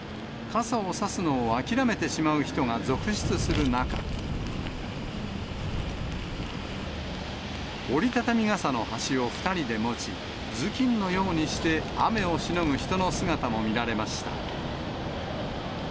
傘を差すのを諦めてしまう人が続出する中、折り畳み傘の端を２人で持ち、頭巾のようにして雨をしのぐ人の姿も見られました。